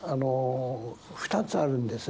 ２つあるんですね。